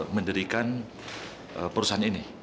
menderikan perusahaan ini